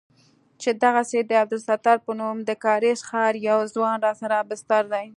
چې دغسې د عبدالستار په نوم د کارېز ښار يو ځوان راسره بستر دى.